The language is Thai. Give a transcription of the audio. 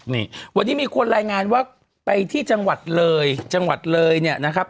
นี่วันนี้มีคนรายงานว่าไปที่จังหวัดเลยจังหวัดเลยเนี่ยนะครับ